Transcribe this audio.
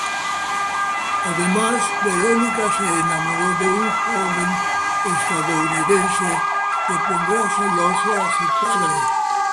Además, Verónica se enamoró de un joven estadounidense, que pondrá celoso a su padre.